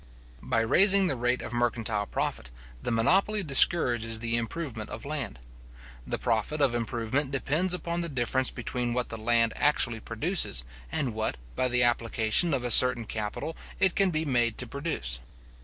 By raising the rate of mercantile profit, the monopoly discourages the improvement of land. The profit of improvement depends upon the difference between what the land actually produces, and what, by the application of a certain capital, it can be made to produce.